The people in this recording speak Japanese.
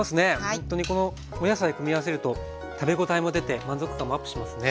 ほんとにこのお野菜組み合わせると食べ応えも出て満足感もアップしますね。